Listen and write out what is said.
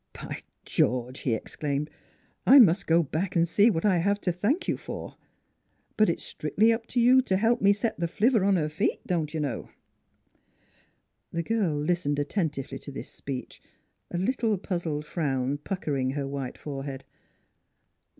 " By George !" he exclaimed. " I must go back and see what I have to thank you for. But it's strictly up to you to help me set the flivver on her feet, don't you know.'* 9 8 NEIGHBORS The girl listened attentively to this speech, a little puzzled frown puckering her white fore head.